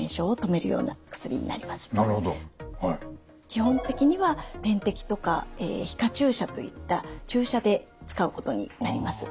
基本的には点滴とか皮下注射といった注射で使うことになります。